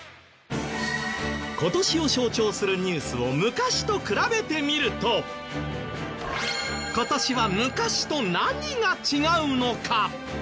今年を象徴するニュースを昔と比べてみると今年は昔と何が違うのか？